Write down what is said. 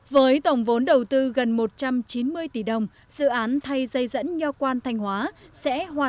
với tổng vốn đầu tư gần một trăm chín mươi tỷ đồng dự án thay dây dẫn nhòa quan thanh hóa